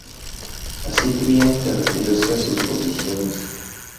Así, tuvieron que retirarse a sus posiciones.